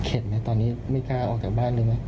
เห็นไหมตอนนี้ไม่กล้าออกจากบ้านเลยไหม